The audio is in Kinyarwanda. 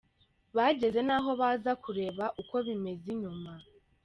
Bageze n'aho baza kureba uko bimeze inyuma.